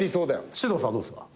獅童さんはどうっすか？